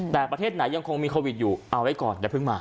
แต่ประเทศไหนยังคงมีโควิดอยู่เอาไว้ก่อนอย่าเพิ่งมา